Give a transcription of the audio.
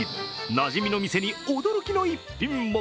なじみの店に、驚きの逸品も。